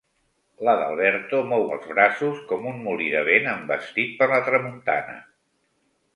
L'Adalberto mou els braços com un molí de vent envestit per la tramuntana.